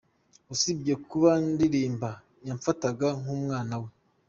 Usibye kuba ndirimba, yamfataga nk’umwana we.